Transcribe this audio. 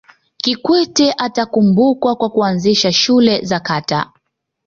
kikwete atakumbukwa kwa kuanzisha shule za kata